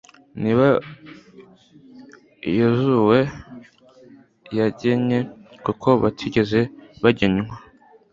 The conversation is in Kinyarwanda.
ni bo yozuwe yagenye, kuko batigeze bagenywa